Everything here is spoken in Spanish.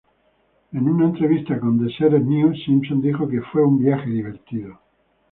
En una entrevista con Deseret News, Simpson dijo que "fue un viaje divertido.